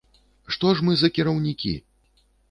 Што ж мы за кіраўнікі?